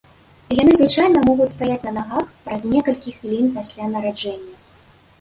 Яны звычайна могуць стаяць на нагах праз некалькіх хвілін пасля нараджэння.